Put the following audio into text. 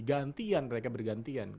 gantian mereka bergantian